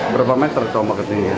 berapa meter ombak dari samping